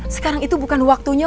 sekarang itu bukan waktunya